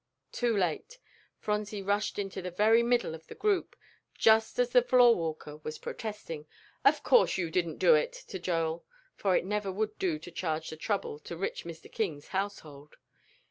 Too late! Phronsie rushed into the very middle of the group, just as the floor walker was protesting, "Of course you didn't do it," to Joel, for it never would do to charge the trouble to rich Mr. King's household.